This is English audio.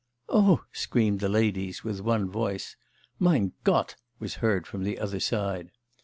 'Oh!' screamed the ladies with one voice. 'Mein Gott!' was heard from the other side.